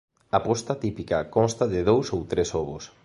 A posta típica consta de dous ou tres ovos.